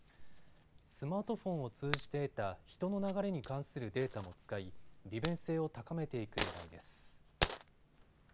スマートフォンを通じて得た人の流れに関するデータも使い利便性を高めていくねらいです。